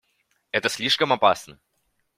Это слишком опасно.